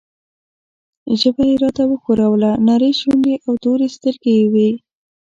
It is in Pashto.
ژبه یې راته وښوروله، نرۍ شونډې او تورې سترګې یې وې.